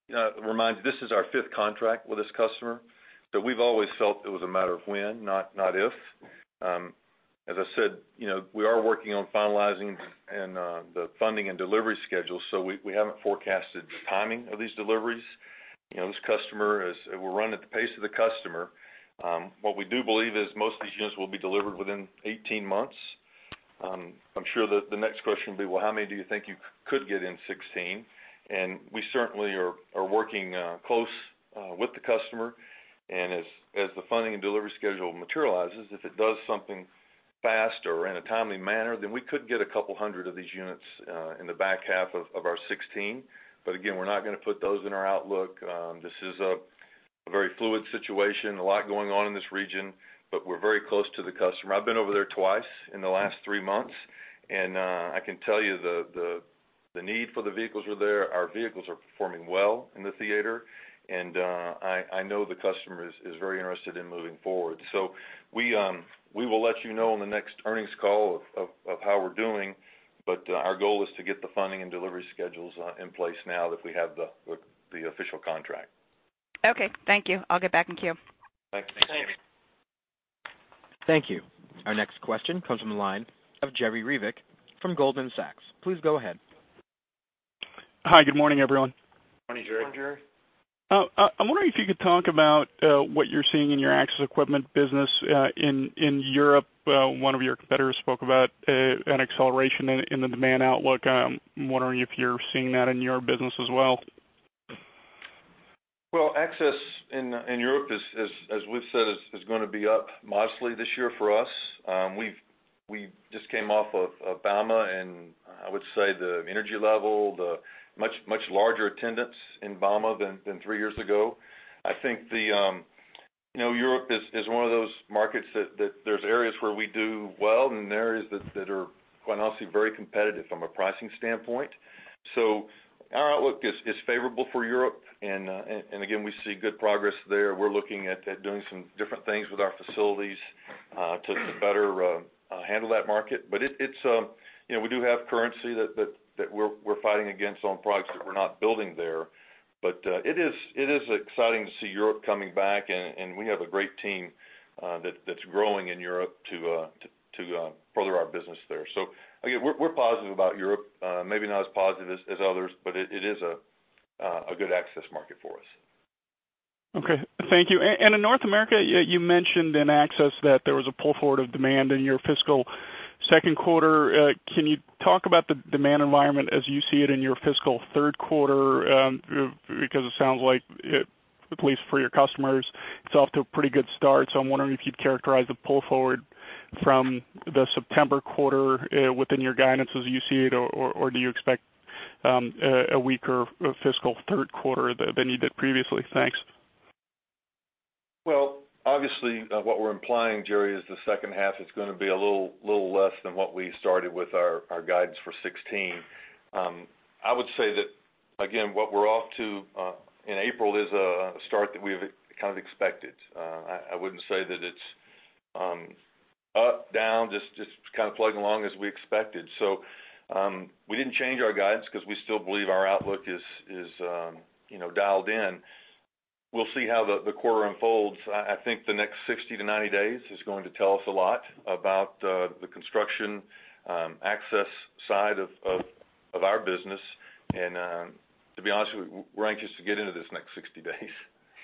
This is our fifth contract with this customer, so we've always felt it was a matter of when, not if. As I said, we are working on finalizing the funding and delivery schedule, so we haven't forecasted the timing of these deliveries. This customer is—we're running at the pace of the customer. What we do believe is most of these units will be delivered within 18 months. I'm sure the next question will be, "Well, how many do you think you could get in 2016?" And we certainly are working close with the customer. And as the funding and delivery schedule materializes, if it does something fast or in a timely manner, then we could get a couple hundred of these units in the back half of our 2016. But again, we're not going to put those in our outlook. This is a very fluid situation. A lot going on in this region, but we're very close to the customer. I've been over there twice in the last three months, and I can tell you the need for the vehicles were there. Our vehicles are performing well in the theater, and I know the customer is very interested in moving forward. So we will let you know on the next earnings call of how we're doing, but our goal is to get the funding and delivery schedules in place now that we have the official contract. Okay. Thank you. I'll get back in queue. Thanks. Thank you. Thank you. Our next question comes from the line of Jerry Revich from Goldman Sachs. Please go ahead. Hi. Good morning, everyone. Morning, Jerry. Morning, Jerry. I'm wondering if you could talk about what you're seeing in your access equipment business in Europe. One of your competitors spoke about an acceleration in the demand outlook. I'm wondering if you're seeing that in your business as well. Well, access in Europe, as we've said, is going to be up modestly this year for us. We just came off of Bauma, and I would say the energy level, the much larger attendance in Bauma than three years ago. I think Europe is one of those markets that there's areas where we do well and areas that are quite honestly very competitive from a pricing standpoint. So our outlook is favorable for Europe, and again, we see good progress there. We're looking at doing some different things with our facilities to better handle that market. But we do have currency that we're fighting against on products that we're not building there. But it is exciting to see Europe coming back, and we have a great team that's growing in Europe to further our business there. So again, we're positive about Europe. Maybe not as positive as others, but it is a good access market for us. Okay. Thank you. And in North America, you mentioned in access that there was a pull forward of demand in your fiscal second quarter. Can you talk about the demand environment as you see it in your fiscal third quarter? Because it sounds like, at least for your customers, it's off to a pretty good start. So I'm wondering if you'd characterize the pull forward from the September quarter within your guidance as you see it, or do you expect a weaker fiscal third quarter than you did previously? Thanks. Well, obviously, what we're implying, Jerry, is the second half is going to be a little less than what we started with our guidance for 2016. I would say that, again, what we're off to in April is a start that we've kind of expected. I wouldn't say that it's up, down, just kind of plugging along as we expected. So we didn't change our guidance because we still believe our outlook is dialed in. We'll see how the quarter unfolds. I think the next 60-90 days is going to tell us a lot about the construction access side of our business. And to be honest, we're anxious to get into this next 60 days.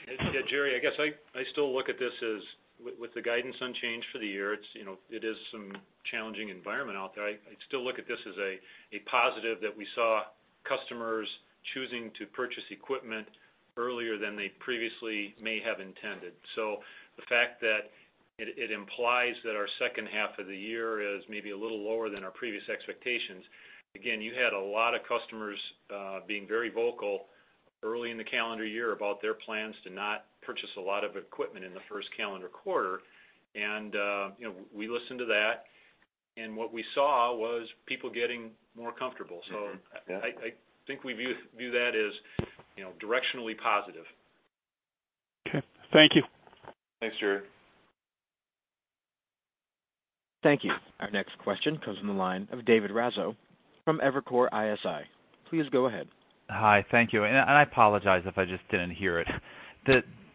Yeah. Jerry, I guess I still look at this as, with the guidance unchanged for the year, it is some challenging environment out there. I still look at this as a positive that we saw customers choosing to purchase equipment earlier than they previously may have intended. So the fact that it implies that our second half of the year is maybe a little lower than our previous expectations, again, you had a lot of customers being very vocal early in the calendar year about their plans to not purchase a lot of equipment in the first calendar quarter. And we listened to that, and what we saw was people getting more comfortable. So I think we view that as directionally positive. Okay. Thank you. Thanks, Jerry. Thank you. Our next question comes from the line of David Raso from Evercore ISI. Please go ahead. Hi. Thank you. And I apologize if I just didn't hear it.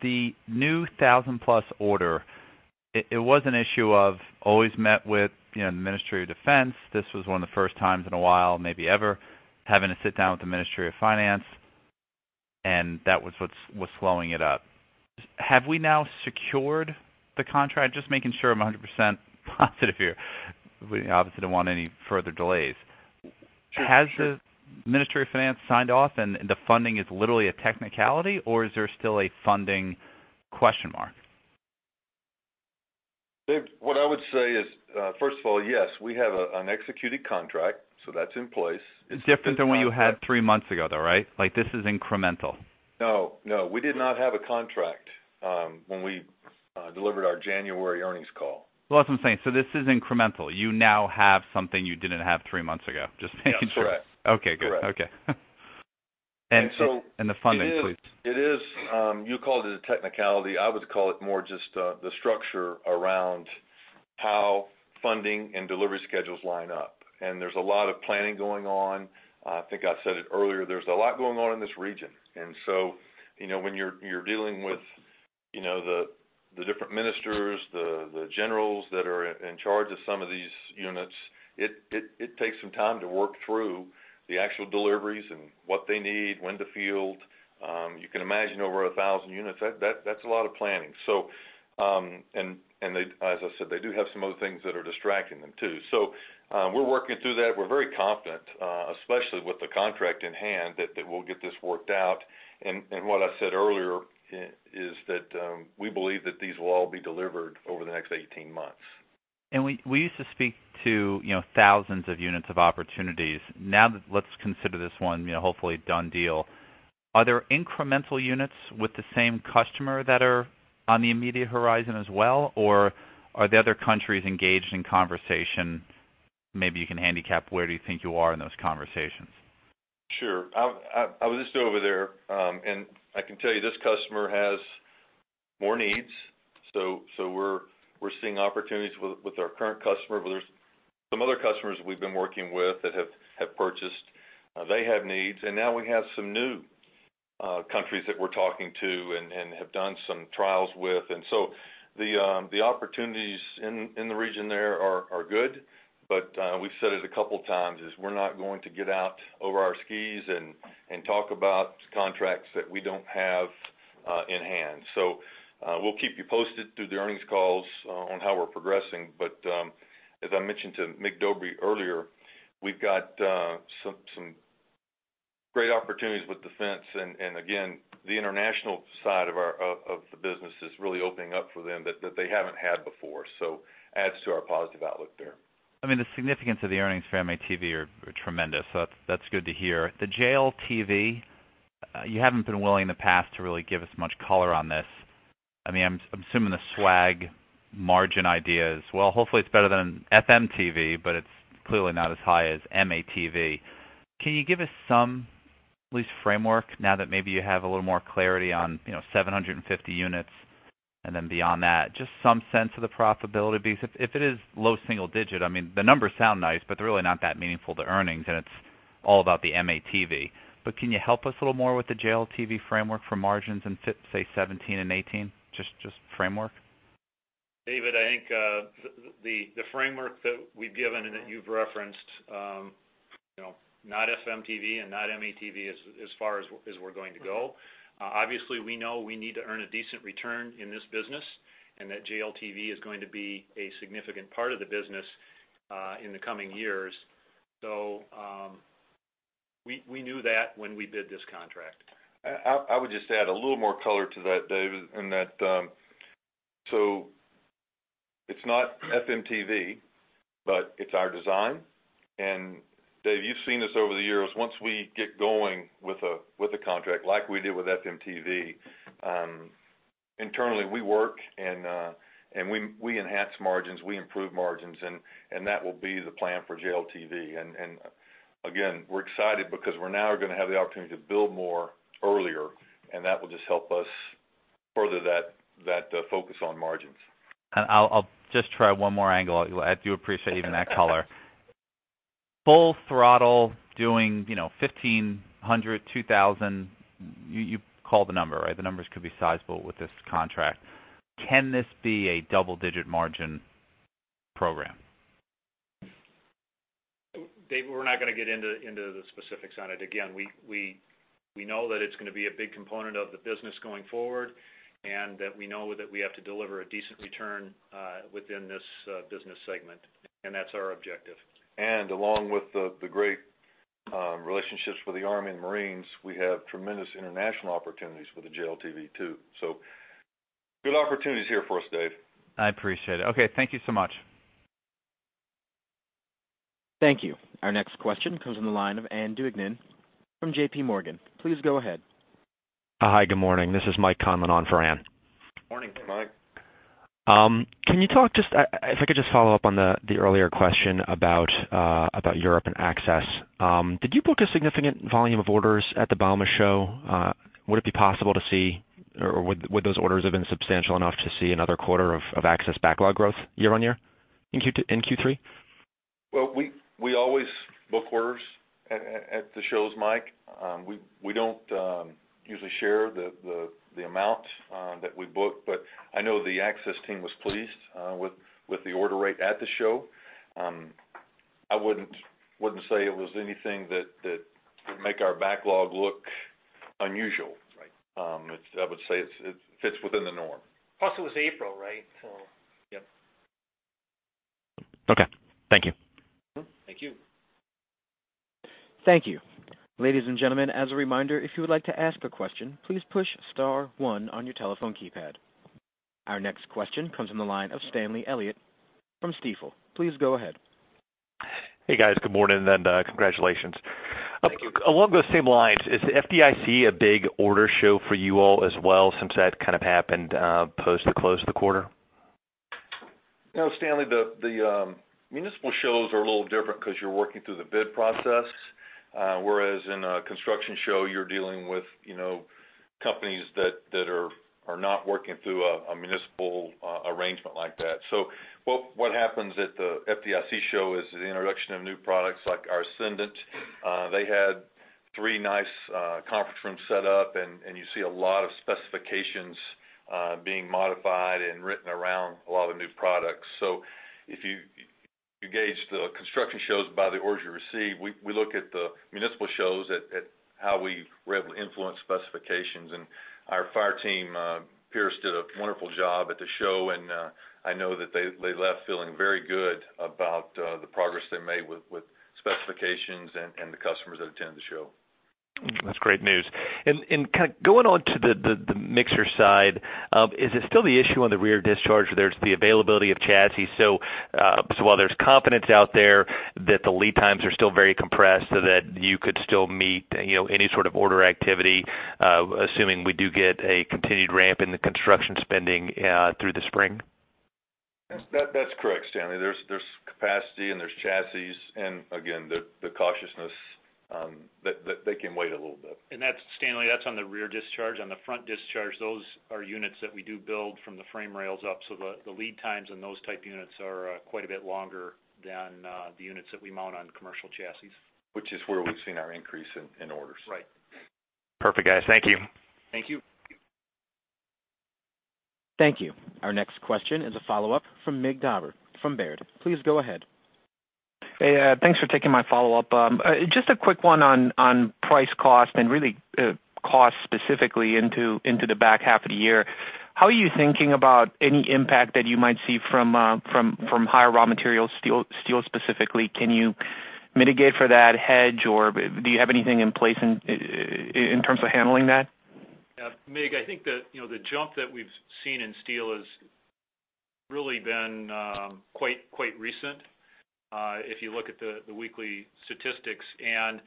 The new 1,000-plus order, it was an issue of always met with the Ministry of Defense. This was one of the first times in a while, maybe ever, having to sit down with the Ministry of Finance, and that was what's slowing it up. Have we now secured the contract? Just making sure I'm 100% positive here. We obviously don't want any further delays. Has the Ministry of Finance signed off, and the funding is literally a technicality, or is there still a funding question mark? What I would say is, first of all, yes, we have an executed contract, so that's in place. It's different than what you had three months ago, though, right? This is incremental. No. No. We did not have a contract when we delivered our January earnings call. Well, that's what I'm saying. So this is incremental. You now have something you didn't have three months ago. Just making sure. That's correct. That's correct. Okay. Good. Okay. And the funding, please. It is. You called it a technicality. I would call it more just the structure around how funding and delivery schedules line up. And there's a lot of planning going on. I think I said it earlier. There's a lot going on in this region. And so when you're dealing with the different ministers, the generals that are in charge of some of these units, it takes some time to work through the actual deliveries and what they need, when to field. You can imagine over 1,000 units. That's a lot of planning. And as I said, they do have some other things that are distracting them too. So we're working through that. We're very confident, especially with the contract in hand, that we'll get this worked out. And what I said earlier is that we believe that these will all be delivered over the next 18 months. And we used to speak to thousands of units of opportunities. Now, let's consider this one hopefully done deal. Are there incremental units with the same customer that are on the immediate horizon as well, or are the other countries engaged in conversation? Maybe you can handicap where do you think you are in those conversations? Sure. I was just over there, and I can tell you this customer has more needs. So we're seeing opportunities with our current customer. But there's some other customers we've been working with that have purchased. They have needs. And now we have some new countries that we're talking to and have done some trials with. And so the opportunities in the region there are good, but we've said it a couple of times is we're not going to get out over our skis and talk about contracts that we don't have in hand. So we'll keep you posted through the earnings calls on how we're progressing. But as I mentioned to Mig Dobre earlier, we've got some great opportunities with Defense. And again, the international side of the business is really opening up for them that they haven't had before. So adds to our positive outlook there. I mean, the significance of the earnings for M-ATV are tremendous. That's good to hear. The JLTV, you haven't been willing in the past to really give us much color on this. I mean, I'm assuming the swag margin idea is. Well, hopefully, it's better than FMTV, but it's clearly not as high as M-ATV. Can you give us some, at least, framework now that maybe you have a little more clarity on 750 units and then beyond that? Just some sense of the profitability piece. If it is low single digit, I mean, the numbers sound nice, but they're really not that meaningful to earnings, and it's all about the M-ATV. But can you help us a little more with the JLTV framework for margins in, say, 2017 and 2018? Just framework. David, I think the framework that we've given and that you've referenced, not FMTV and not M-ATV as far as we're going to go. Obviously, we know we need to earn a decent return in this business and that JLTV is going to be a significant part of the business in the coming years. So we knew that when we bid this contract. I would just add a little more color to that, David, in that so it's not FMTV, but it's our design. And David, you've seen us over the years. Once we get going with a contract like we did with FMTV, internally, we work, and we enhance margins. We improve margins, and that will be the plan for JLTV. And again, we're excited because we're now going to have the opportunity to build more earlier, and that will just help us further that focus on margins. I'll just try one more angle. I do appreciate even that color. Full throttle doing 1,500, 2,000. You called the number, right? The numbers could be sizable with this contract. Can this be a double-digit margin program? David, we're not going to get into the specifics on it. Again, we know that it's going to be a big component of the business going forward and that we know that we have to deliver a decent return within this business segment, and that's our objective. And along with the great relationships with the Army and Marines, we have tremendous international opportunities with the JLTV too. So good opportunities here for us, Dave. I appreciate it. Okay. Thank you so much. Thank you. Our next question comes from the line of Ann Duignan from JPMorgan. Please go ahead. Hi. Good morning. This is Mike Conlon on for Ann. Morning, Mike. Can you talk just if I could just follow up on the earlier question about Europe and access. Did you book a significant volume of orders at the Bauma show? Would it be possible to see or would those orders have been substantial enough to see another quarter of access backlog growth year-over-year in Q3? Well, we always book orders at the shows, Mike. We don't usually share the amount that we book, but I know the access team was pleased with the order rate at the show. I wouldn't say it was anything that would make our backlog look unusual. I would say it fits within the norm. Plus, it was April, right? So. Yep. Okay. Thank you. Thank you. Thank you. Ladies and gentlemen, as a reminder, if you would like to ask a question, please push star one on your telephone keypad. Our next question comes from the line of Stanley Elliott from Stifel. Please go ahead. Hey, guys. Good morning and congratulations. Thank you. Along those same lines, is the FDIC a big order show for you all as well since that kind of happened post the close of the quarter? No. Stanley, the municipal shows are a little different because you're working through the bid process, whereas in a construction show, you're dealing with companies that are not working through a municipal arrangement like that. So what happens at the FDIC show is the introduction of new products like our Ascendant. They had three nice conference rooms set up, and you see a lot of specifications being modified and written around a lot of new products. So if you gauge the construction shows by the orders you receive, we look at the municipal shows at how we were able to influence specifications. And our fire team peers did a wonderful job at the show, and I know that they left feeling very good about the progress they made with specifications and the customers that attended the show. That's great news. Kind of going on to the mixer side, is it still the issue on the rear discharge? There's the availability of chassis. So while there's confidence out there that the lead times are still very compressed so that you could still meet any sort of order activity, assuming we do get a continued ramp in the construction spending through the spring? That's correct, Stanley. There's capacity and there's chassis. And again, the cautiousness, they can wait a little bit. And Stanley, that's on the rear discharge. On the front discharge, those are units that we do build from the frame rails up. So the lead times in those type units are quite a bit longer than the units that we mount on commercial chassis. Which is where we've seen our increase in orders. Right. Perfect, guys. Thank you. Thank you. Thank you. Our next question is a follow-up from Mig Dobre from Baird. Please go ahead. Hey, thanks for taking my follow-up. Just a quick one on price cost and really cost specifically into the back half of the year. How are you thinking about any impact that you might see from higher raw materials, steel specifically? Can you mitigate for that hedge, or do you have anything in place in terms of handling that? Yeah. Mig, I think the jump that we've seen in steel has really been quite recent if you look at the weekly statistics. And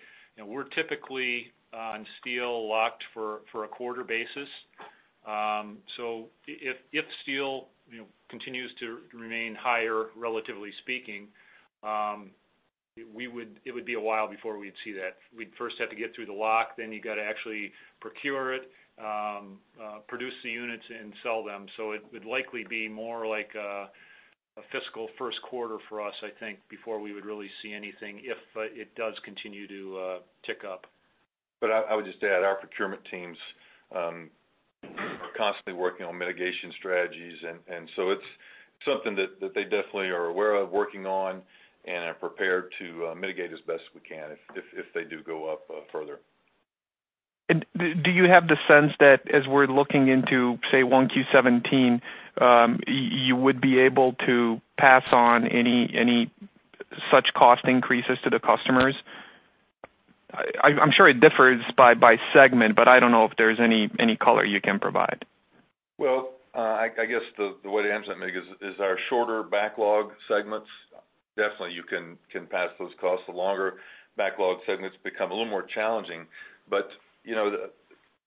we're typically on steel locked for a quarter basis. So if steel continues to remain higher, relatively speaking, it would be a while before we'd see that. We'd first have to get through the lock, then you got to actually procure it, produce the units, and sell them. So it would likely be more like a fiscal first quarter for us, I think, before we would really see anything if it does continue to tick up. But I would just add our procurement teams are constantly working on mitigation strategies. And so it's something that they definitely are aware of, working on, and are prepared to mitigate as best we can if they do go up further. And do you have the sense that as we're looking into, say, 1Q17, you would be able to pass on any such cost increases to the customers? I'm sure it differs by segment, but I don't know if there's any color you can provide. Well, I guess the way to answer that, Mig, is our shorter backlog segments, definitely you can pass those costs. The longer backlog segments become a little more challenging. But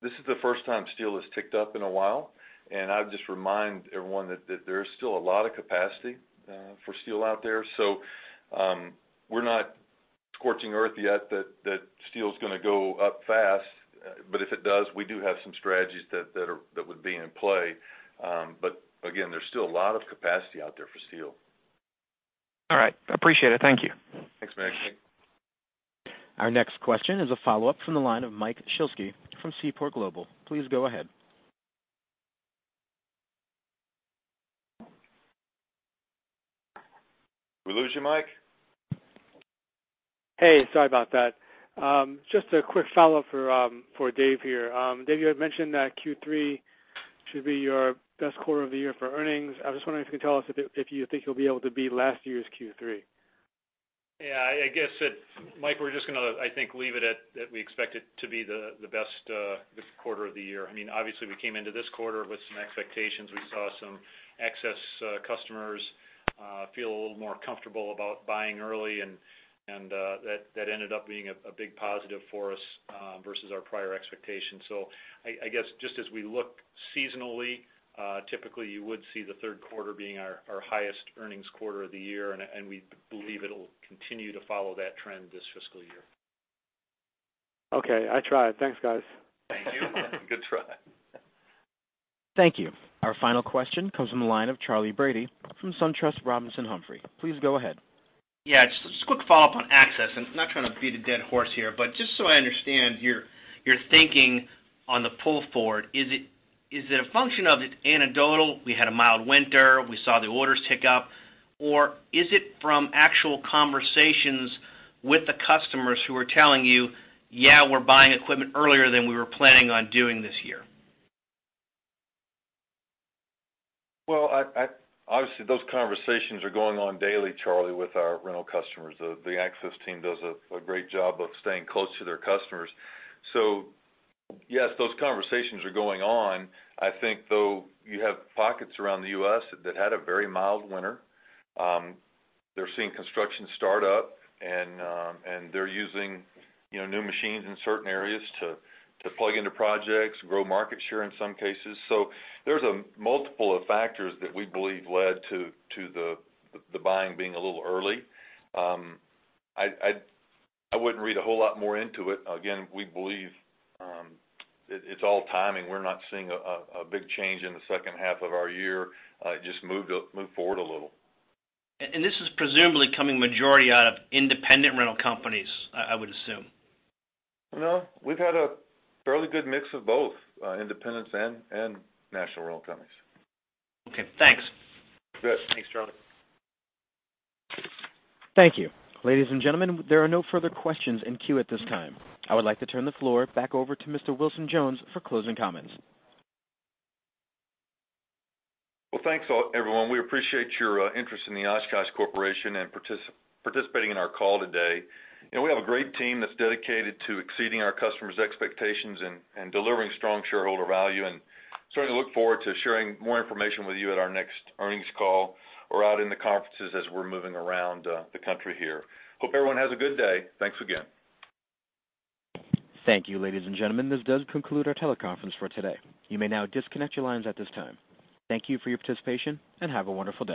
this is the first time steel has ticked up in a while. And I would just remind everyone that there is still a lot of capacity for steel out there. So we're not scorching earth yet that steel is going to go up fast. But if it does, we do have some strategies that would be in play. But again, there's still a lot of capacity out there for steel. All right. Appreciate it. Thank you. Thanks, Mig. Our next question is a follow-up from the line of Mike Shlisky from Seaport Global. Please go ahead. We lose you, Mike? Hey, sorry about that. Just a quick follow-up for Dave here. Dave, you had mentioned that Q3 should be your best quarter of the year for earnings. I was just wondering if you could tell us if you think you'll be able to beat last year's Q3. Yeah. I guess, Mike, we're just going to, I think, leave it at we expect it to be the best quarter of the year. I mean, obviously, we came into this quarter with some expectations. We saw some excess customers feel a little more comfortable about buying early, and that ended up being a big positive for us versus our prior expectations. So I guess just as we look seasonally, typically, you would see the third quarter being our highest earnings quarter of the year, and we believe it'll continue to follow that trend this fiscal year. Okay. I try. Thanks, guys. Thank you. Good try. Thank you. Our final question comes from the line of Charley Brady from SunTrust Robinson Humphrey. Please go ahead. Yeah. Just a quick follow-up on access. And I'm not trying to beat a dead horse here, but just so I understand, you're thinking on the pull forward, is it a function of it's anecdotal? We had a mild winter. We saw the orders tick up. Or is it from actual conversations with the customers who are telling you, "Yeah, we're buying equipment earlier than we were planning on doing this year"? Well, obviously, those conversations are going on daily, Charley, with our rental customers. The access team does a great job of staying close to their customers. So yes, those conversations are going on. I think, though, you have pockets around the U.S. that had a very mild winter. They're seeing construction start up, and they're using new machines in certain areas to plug into projects, grow market share in some cases. So there's a multiple of factors that we believe led to the buying being a little early. I wouldn't read a whole lot more into it. Again, we believe it's all timing. We're not seeing a big change in the second half of our year. Just move forward a little. And this is presumably coming majority out of independent rental companies, I would assume. No. We've had a fairly good mix of both independents and national rental companies. Okay. Thanks. Good. Thanks, Charley. Thank you. Ladies and gentlemen, there are no further questions in queue at this time. I would like to turn the floor back over to Mr. Wilson Jones for closing comments. Well, thanks, everyone. We appreciate your interest in the Oshkosh Corporation and participating in our call today. We have a great team that's dedicated to exceeding our customers' expectations and delivering strong shareholder value. And certainly look forward to sharing more information with you at our next earnings call or out in the conferences as we're moving around the country here. Hope everyone has a good day. Thanks again. Thank you, ladies and gentlemen. This does conclude our teleconference for today. You may now disconnect your lines at this time. Thank you for your participation and have a wonderful day.